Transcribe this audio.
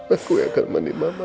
aku yang akan mandi mama